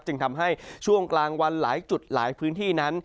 จึงทำให้ช่วงกลางวันหลายจุดหลายพื้นที่นั้น